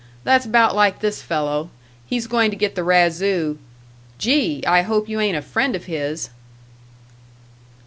That's 'bout like this fellow. He's going to get the razoo.... Gee! I hope you ain't a friend of his."